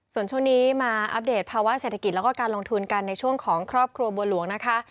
ส่วนช่วงนี้มาอัปเดตภาวะเศรษฐกิจแล้วก็การลงทุนกันในช่วงของครอบครัวบัวหลวงนะคะ